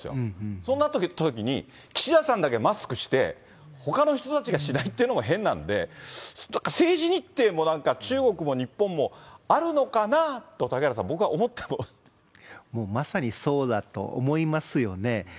そうなったときに、岸田さんだけマスクしてほかの人たちがしないっていうのも変なんで、政治日程もなんか、中国も日本もあるのかなと、嵩原さん、もうまさにそうだと思いますよね。